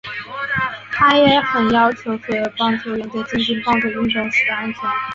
他也很要求所有棒球员在进行棒球运动时的安全性。